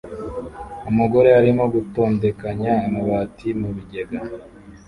Umugore arimo gutondekanya amabati mu bigega